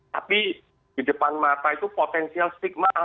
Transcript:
tapi di depan mata itu potensial stigma